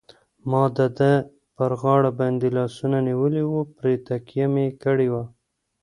ما د ده پر غاړه باندې لاسونه نیولي وو، پرې تکیه مې کړې وه.